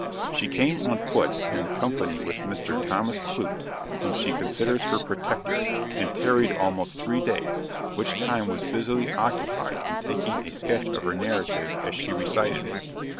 She came on foot in company with Mr. Thomas Clute, whom she considers her protector, and tarried almost three days, which time was busily occupied in taking a sketch of her narrative as she recited it.